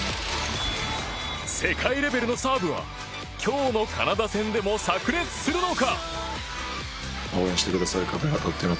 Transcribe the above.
世界レベルのサーブは今日のカナダ戦でも炸裂するのか。